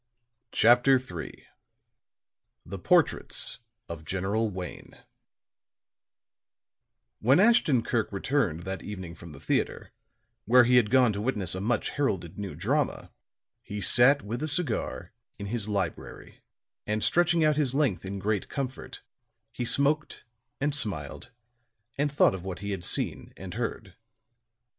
CHAPTER III THE PORTRAITS OF GENERAL WAYNE When Ashton Kirk returned that evening from the theatre, where he had gone to witness a much heralded new drama, he sat with a cigar, in his library; and stretching out his length in great comfort, he smoked and smiled and thought of what he had seen and heard.